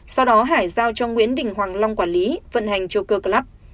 sau đó hải giao cho nguyễn đình hoàng long quản lý vận hành joker club